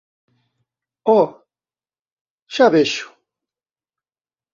Oh, Xa vexo.